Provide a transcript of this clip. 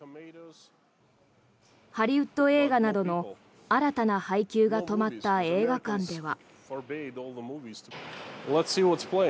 ハリウッド映画などの新たな配給が止まった映画館では。